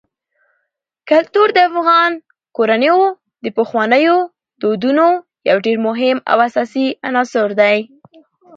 کلتور د افغان کورنیو د پخوانیو دودونو یو ډېر مهم او اساسي عنصر دی.